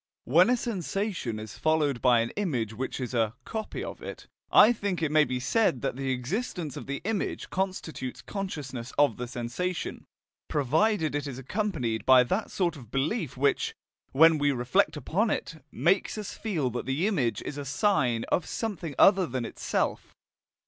When a sensation is followed by an image which is a "copy" of it, I think it may be said that the existence of the image constitutes consciousness of the sensation, provided it is accompanied by that sort of belief which, when we reflect upon it, makes us feel that the image is a "sign" of something other than itself.